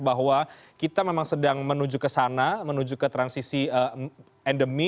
bahwa kita memang sedang menuju ke sana menuju ke transisi endemi